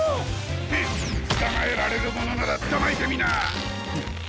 ヘッつかまえられるものならつかまえてみな！